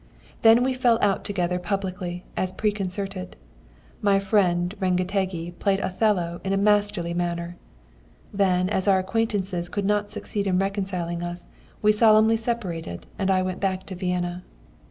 "Then we fell out together publicly, as preconcerted. My friend Rengetegi played Othello in a masterly manner. Then as our acquaintances could not succeed in reconciling us, we solemnly separated and I went back to Vienna.